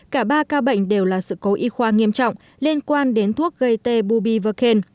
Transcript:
cả ba ca bệnh đều là sự cố y khoa nghiêm trọng liên quan đến thuốc gây tê bubivacaine